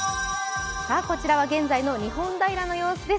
こちらは現在の日本平の様子です。